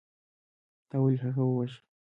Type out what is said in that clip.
تا ولې هغه وواژه.